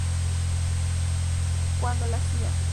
Cuando la Cía.